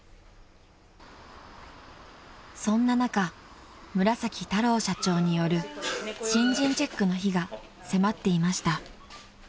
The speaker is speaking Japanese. ［そんな中村太郎社長による新人チェックの日が迫っていました］